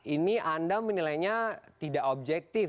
ini anda menilainya tidak objektif